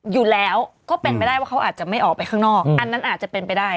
อยู่แล้วก็เป็นไปได้ว่าเขาอาจจะไม่ออกไปข้างนอกอันนั้นอาจจะเป็นไปได้